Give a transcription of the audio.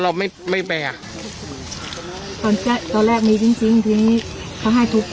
เราไม่ไม่แปลอ่ะตอนแรกตอนแรกมีจริงจริงทีนี้เขาให้ทุกข์ออก